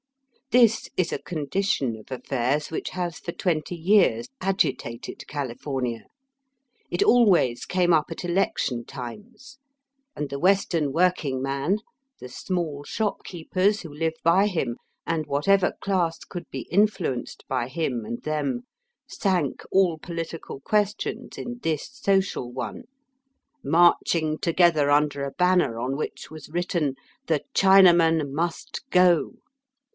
This is a condition of affairs which has for twenty years agitated California. It always came up at election times, and the Western working man, the small shopkeepers who live by him, and whatever class could be influenced by him and them, sank all poUtical questions in this social one, marching together under a banner on which was written " The Chinaman must go."